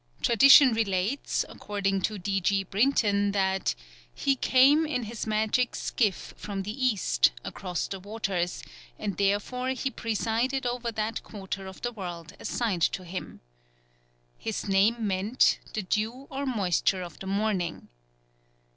Tradition relates, according to D. G. Brinton, that "he came in his magic skiff from the East, across the waters, and therefore he presided over that quarter of the world assigned to him." His name meant "the dew or moisture of the morning."